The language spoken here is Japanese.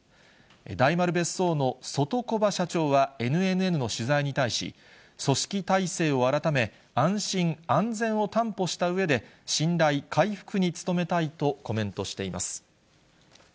大丸別荘の外木場社長はＮＮＮの取材に対し、組織体制を改め、安心安全を担保したうえで、信頼回復に努めたいとコメントしています。